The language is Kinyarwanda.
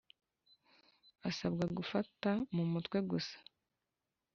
asabwa gufata mu mutwe gusa